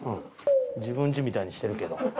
自分ちみたいにしてるけど。